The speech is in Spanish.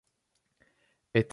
Estaba casado con Petrona Mors.